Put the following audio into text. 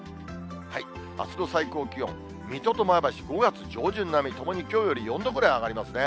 あすの最高気温、水戸と前橋、５月上旬並み、ともにきょうより４度ぐらい上がりますね。